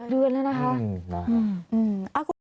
เดือนแล้วนะคะ